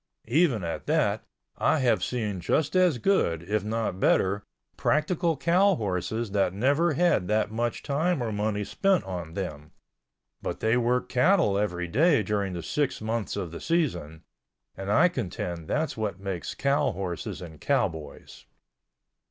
Even at that I have seen just as good, if not better, practical cow horses that never had that much time or money spent on them—but they worked cattle every day during the six months of the season—and I contend that's what makes cow horses and cowboys.